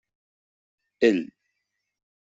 Ell.